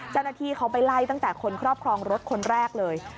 เจ้าหน้าที่เขาไปไล่ตั้งแต่คนครอบครองรถคนแรกเลย